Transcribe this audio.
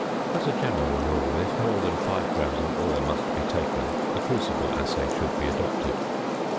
As a general rule, if more than 5 grams of ore must be taken, the crucible assay should be adopted.